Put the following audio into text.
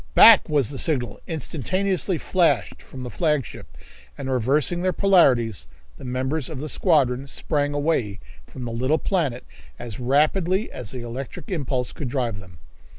Back!" was the signal instantaneously flashed from the flagship, and reversing their polarities the members of the squadron sprang away from the little planet as rapidly as the electrical impulse could drive them.